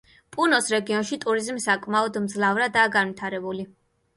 პუნოს რეგიონში ტურიზმი საკმაოდ მძლავრადაა განვითარებული.